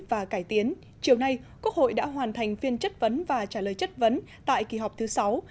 và cải tiến chiều nay quốc hội đã hoàn thành phiên chất vấn và trả lời chất vấn tại kỳ họp thứ sáu